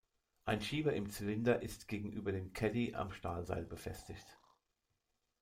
Ein Schieber im Zylinder ist gegenüber dem Caddy am Stahlseil befestigt.